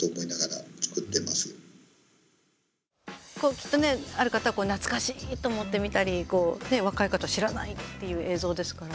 きっとね、ある方は懐かしいと思って見たり若い方は、知らないっていう映像ですから。